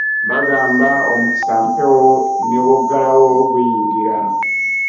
Bagamba omukisa mpewo ne bw'oggalawo guyingira.